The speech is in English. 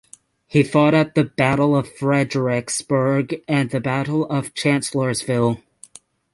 He fought at the Battle of Fredericksburg and the Battle of Chancellorsville.